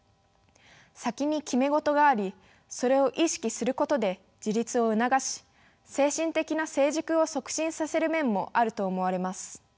先に決めごとがありそれを意識することで自立を促し精神的な成熟を促進させる面もあると思われます。